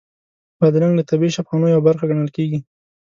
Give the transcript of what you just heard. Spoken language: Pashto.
بادرنګ له طبیعي شفاخانو یوه برخه ګڼل کېږي.